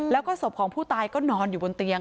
แล้วก็ศพของผู้ตายก็นอนอยู่บนเตียง